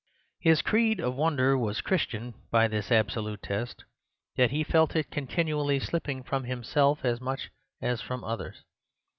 "His creed of wonder was Christian by this absolute test; that he felt it continually slipping from himself as much as from others.